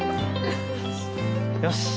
よし。